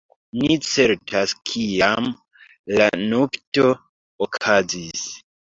Ne certas kiam la nupto okazis.